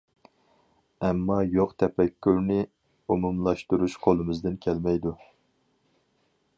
ئەمما يوق تەپەككۇرنى ئومۇملاشتۇرۇش قولىمىزدىن كەلمەيدۇ.